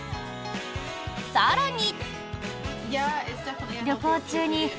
更に。